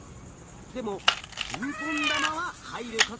でもピンポン玉は入ることができる。